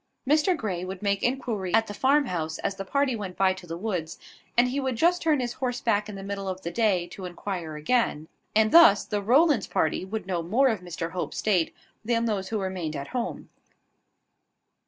Mr Grey would make inquiry at the farmhouse as the party went by to the woods: and he would just turn his horse back in the middle of the day, to inquire again: and thus the Rowlands' party would know more of Mr Hope's state than those who remained at home.